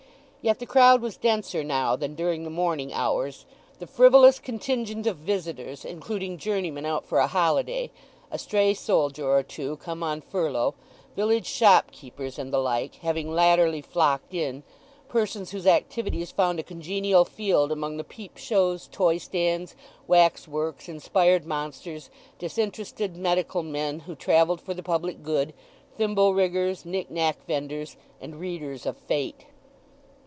Yet the crowd was denser now than during the morning hours, the frivolous contingent of visitors, including journeymen out for a holiday, a stray soldier or two come on furlough, village shopkeepers, and the like, having latterly flocked in; persons whose activities found a congenial field among the peep shows, toy stands, waxworks, inspired monsters, disinterested medical men who travelled for the public good, thimble riggers, nick nack vendors, and readers of Fate.